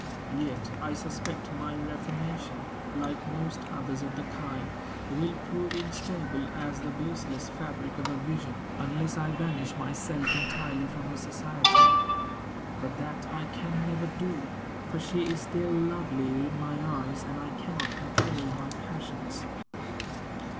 Yet I suspect my reformation, like most others of the kind, will prove instable as "the baseless fabric of a vision," unless I banish myself entirely from her society. But that I can never do; for she is still lovely in my eyes, and I cannot control my passions.